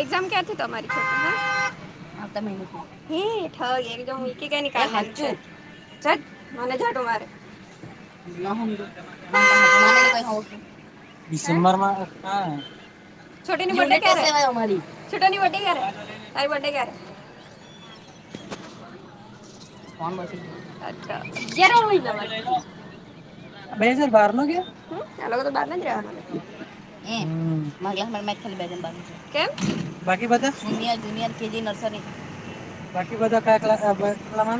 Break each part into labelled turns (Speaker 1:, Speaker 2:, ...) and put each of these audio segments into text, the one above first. Speaker 1: Exam ક્યાંથી તમારી [inaudible] [inaudible] ના કઈ હું. હે છોટી ની બડે કરે. [unintelligible] [unintelligible] [inaudible] [inaudible] કેજી નર્સરી બાકી બધા ક્યા કલાસ વાળા.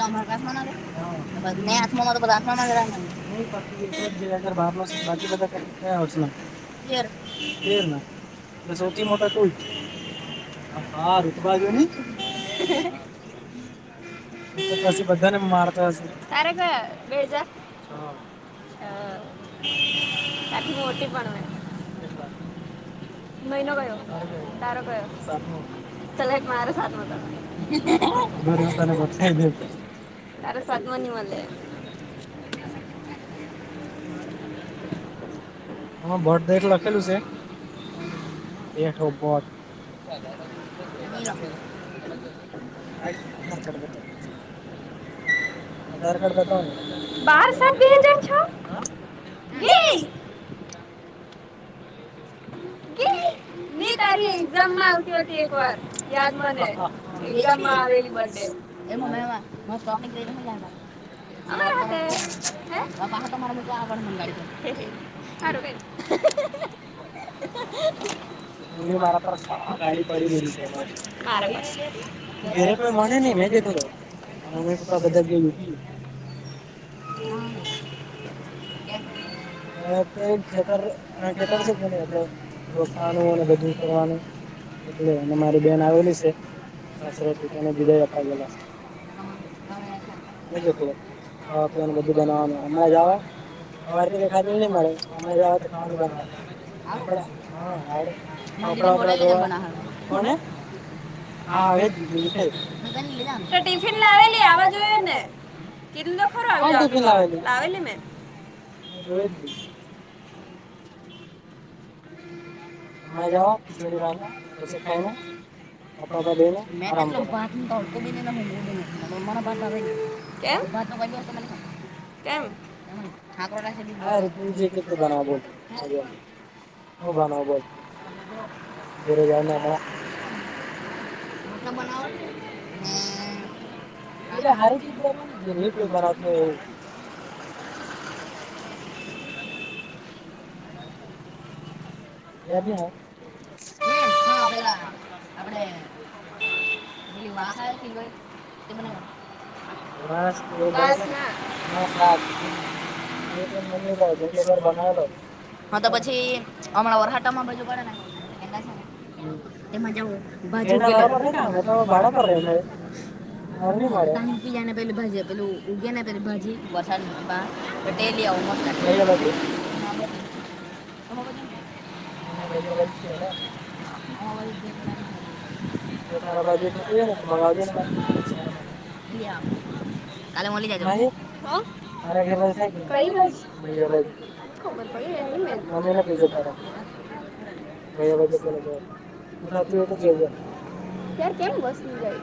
Speaker 2: આ બધા મારા ક્લાસ ના જ ને મેં આઠમાં તો બધા પણ આઠમાં માં જ ને. બાકી બધા કયા ક્લાસ માં.
Speaker 1: એટલે શું મોતો તું હા રઋતુબજુને. પછી બધાને માર તો હશે તારે કયો બે હજાર છ. છ પણ તારથી મોટી પણ મેં.
Speaker 2: એબ.
Speaker 1: મહિનો કયો તારો કયો સાતમો. ચલા હટ મારો સાતમો તો. તારો સાતમો ની મળે. હ બેગ લાગશે બેઠો. [inaudible]
Speaker 2: આ બરકાડ બતાવ. આધાર કાર્ડ બતાવનું હ. એય.
Speaker 1: કેય. તારી એક્ઝામમાં આવતી હતી એક વાર યાદ મને એક્ઝામમાં આવેલી બડે. એ મ્સ્ પાપા ની લાવેલા અમારા હત. તમારા મ આવડ મંગાય છે. [inaudible] મારા પર ગાડી પડી ગેલી છે એમ જ. કોઈ મળે નહી મેં જેટલું.
Speaker 2: મમ્મી પપ્પા બધા જયું હત.
Speaker 1: [inaudible]
Speaker 2: હ તે ખેતર. ત કેતા એટલે રોપવાનું અને બધું કરવાનું. એટલે અને મારી બેન આવેલી છે સાસથી તેને બદાય અપાવેલા છે. ન ખા પનું બધું બનાવાનું હમણાં જ આવે.
Speaker 1: અમાર થી કઈ ખાધું નઈ મળે મજા આવે તો ખાવાનું બનાવા. કોને લ જમ બના હ કોને. તો ટિફિન લાવેલી આવા જોઈએને. કીધું ત તો ખરું આ જાાવ છ લાવલી મેં.
Speaker 2: એ જો છ.
Speaker 1: મવા ખિચડી ખને. ને ભત નાય કે ભત નગ મ. કેમ. હું બનાવ બોલ.
Speaker 2: ઘરે જાયને હમણાં.
Speaker 1: રોટલા બનવા ને. [inaudible]
Speaker 2: હમ્મ.
Speaker 1: હા પેલા. અને એ વાસ આવતે પીતળ તે બનાવી કડવાણી. [inaudible] હા તો પછી તમામલા ઓરા હટમાં બજપડા. બાજ તો વાળ કર. ટ પી ને પે ભાજી પે ઉગે ને પે ભાજી વરસાદ બાદ. પટેલ [unintelligible] અમે બધા [inaudible] તો તારાબાજુ [inaudible] કાલે મલી જાજો [inaudible] [inaudible]
Speaker 2: [inaudible]
Speaker 1: [inaudible] ત્યારે કેમ વસું જાય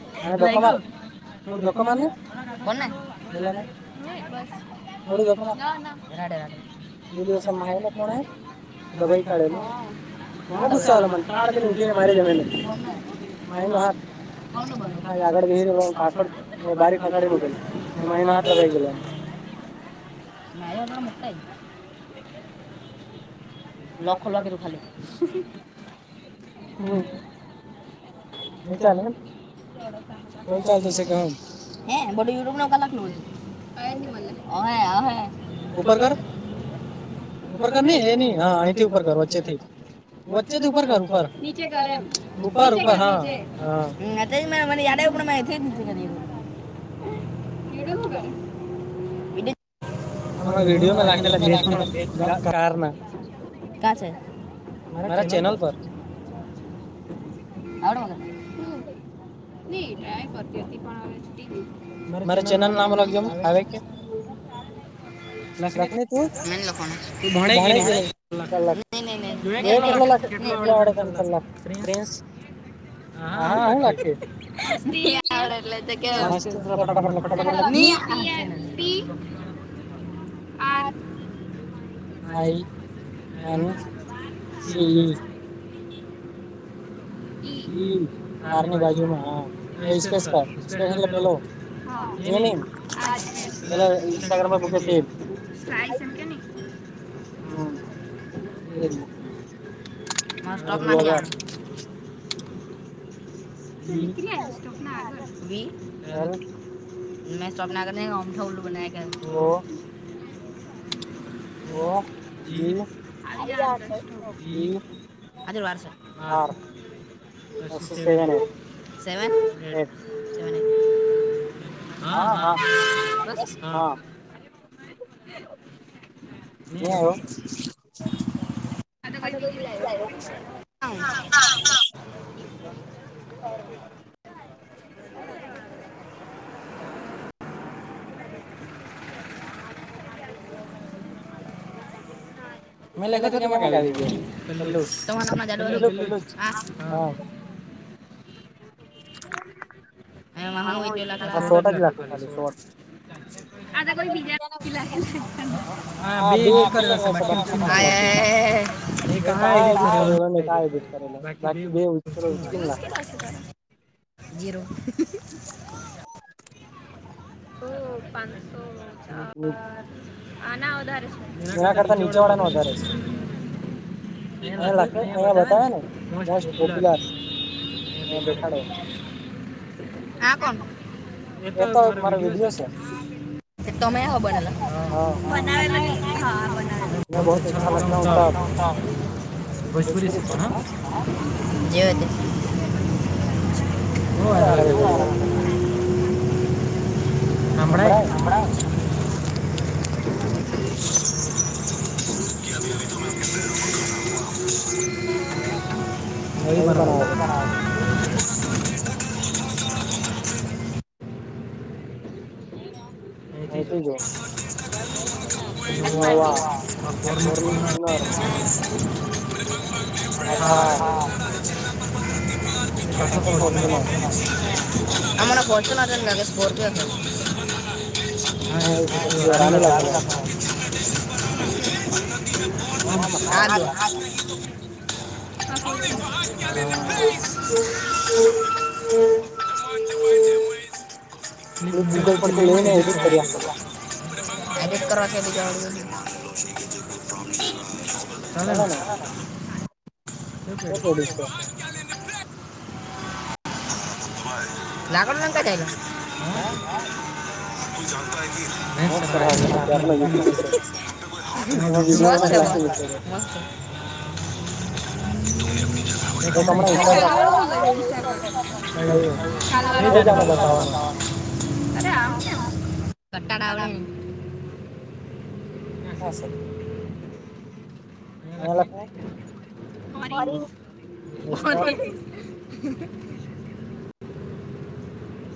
Speaker 1: [inaudible] [inaudible] [inaudible] લાયગુ [inaudible] [inaudible] [inaudible] સલોંધ આગળ બી પાસ જ બારીક આગળાઈ. મે જ અતે ત મુકતે જ લોક ખોલવા કીધુ ખાલી [inaudible] હે બધુ યુટુબન [inaudible] ઉપર કરની એ ની હ અયથી ઉપર કર વચ્ચેથી વચ્ચે [inaudible] [inaudible] [inaudible] કા છે [inaudible] ની ટાય કરતી હતી પણ અવે મારે ચેનલ નામ લખજોન [inaudible] લખની [inaudible] [inaudible] હા હુ [inaudible] [inaudible]
Speaker 2: આ આઈ એમ સી
Speaker 1: ઈ કારની બાજુમાં [inaudible] સ્લાઈસ એમ કે ની માર સ્ટોપ નાહી જાવાનુ નોકરી આયવ સ્ટોપની આગળ મે સટોપના [inaudible]
Speaker 2: વો
Speaker 1: [inaudible] સેવન eight seven eight seven eight હા હા બસ હા
Speaker 2: ની આયવ [inaudible]
Speaker 1: [inaudible] મેં લયખ તો કેમાક આવી ગયો પેલું [inaudible] એમા હુ વીડય લાખલા આ કોઈ બીજા [inaudible] [inaudible] [inaudible] જીરો.
Speaker 2: [unintelligible]
Speaker 1: ઓ સાત.
Speaker 2: હમ.
Speaker 1: આના વધારે છે એના કરતા નીચે વાળા ના વધારે. એ લખે અયા બતાવે ને મોસ્ટ પોપુલર. અને લે ખાથી. હા કોણ એ તો મારો વિડીયો છે. તમે હો બનાલો બ. ભોજપુરી શ્ષણ હા. જવા દે.
Speaker 2: હ આરોગેલી એ.
Speaker 1: હમણાય [unintelligible] [unintelligible] ફરી બનાવેલા ફરી બનાવેલ.
Speaker 2: ક કજો નવા [unintelligible] આર.
Speaker 1: હા હા. આને કો. [unintelligible] ચલાજનાગ સ્પોટજ. [unintelligible] હ રા હાલ. [unintelligible] [unintelligible] હમ હોય છે હોય. [unintelligible] બજપતી લઈને એજ. એડિટ કરાવ કે દજા આવું. ચાલેને. ને. લાગડુ લઇ કે ચાલીયો. મે સર. [unintelligible] મસ્ છે બસ્સ્. એ કમરે. [unintelligible] ધન્યવાદવા બતાવાનું. અરે આમ કટ્ટા ડાવલે.
Speaker 2: હ શે.
Speaker 1: Orange orange.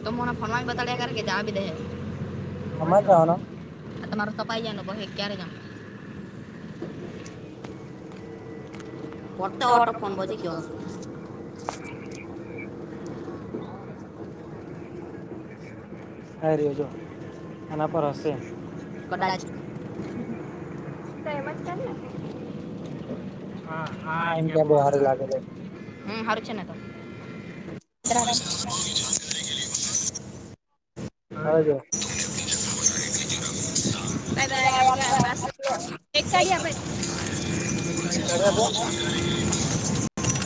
Speaker 1: તોમમ ફોનમાંઈ બતા દ કાર કે જ આપી દે. આટ તમા મારે તો ભાઈયાનું પખર ઘરે જા.
Speaker 2: મોટો વટો ફ કરી.
Speaker 1: રહ્યોજો એના પર હશે કદાચ. તો એમ જ નહી. હા હા એનકે બોહરે લાગે. હમ હાર છે તો.
Speaker 2: હજ. હ. [unintelligible]
Speaker 1: એક છાડી આપે.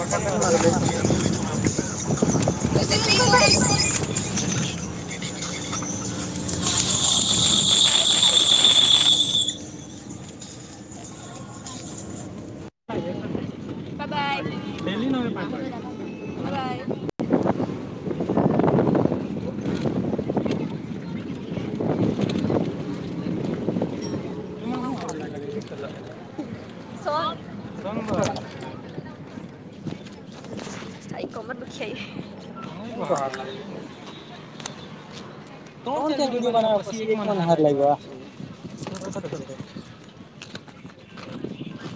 Speaker 1: આગણ નહી વધવા.
Speaker 2: સતીશભાય. હ.
Speaker 1: અ કોમન મુુખીઈ.
Speaker 2: એ તો હા હા. કોણ છે વિડીયો બનાવ્યા પછી એક મન હાર લાગ્યો આટ.